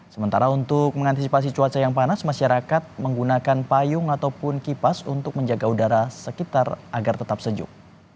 sementara untuk mengantisipasi cuaca yang panas masyarakat menggunakan payung ataupun kipas untuk menjaga udara sekitar agar tetap sejuk